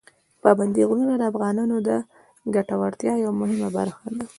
پابندي غرونه د افغانانو د ګټورتیا یوه مهمه برخه ده.